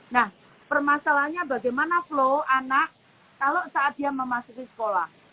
nah permasalahannya bagaimana flow anak kalau saat dia memasuki sekolah